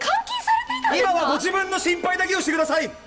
今はご自分の心配だけをしてください！